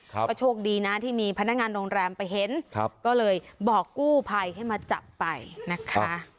ก็โชคดีนะที่มีพนักงานโรงแรมไปเห็นครับก็เลยบอกกู้ภัยให้มาจับไปนะคะ